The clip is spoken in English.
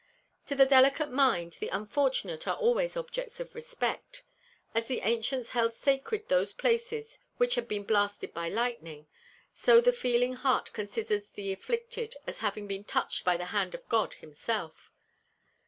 To the delicate mind the unfortunate are always objects of respect. As the ancients held sacred those places which had been blasted by lightning, so the feeling heart considers the afflicted as having been touched by the hand of God Himself.